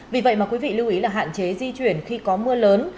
vì vậy mà quý vị lưu ý là hạn chế di chuyển khi có mưa lớn